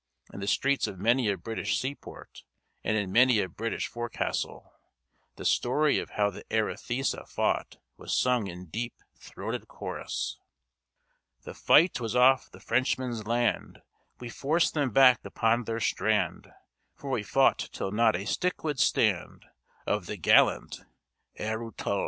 In the streets of many a British seaport, and in many a British forecastle, the story of how the Arethusa fought was sung in deep throated chorus: "The fight was off the Frenchman's land; We forced them back upon their strand; For we fought till not a stick would stand Of the gallant _Arethuml!